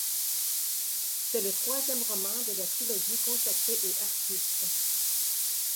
C'est le troisième roman de la trilogie consacrée aux Harpistes.